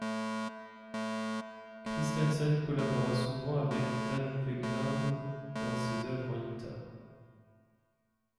Christensen collabora souvent avec Dan Weggeland dans ses œuvres en Utah.